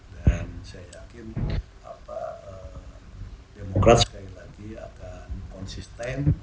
dan saya yakin demokrasi sekali lagi akan konsisten